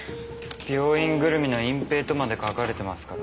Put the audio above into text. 病院ぐるみの隠蔽とまで書かれてますからね。